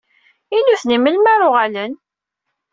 I nutni, melmi ara uɣalen?